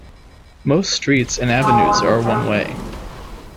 Most streets and avenues are one-way.